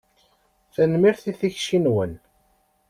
Tanemmirt i tikci-nwen.